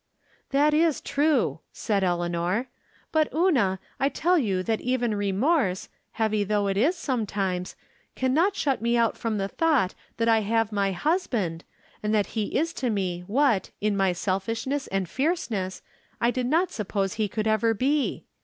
That is true," said Eleanor, " But, Una, I tell you that even remorse, heavy though it is sometimes, can not shut me out from the thought that I have my husband, and that he is to me what, in my selfishness and fierceness, I did not suppose he could ever be.